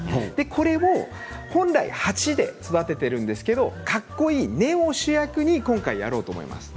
これを本来鉢で育てているんですけどかっこいい根を主役に今回やろうと思います。